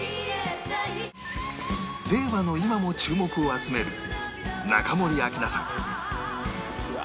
令和の今も注目を集める中森明菜さん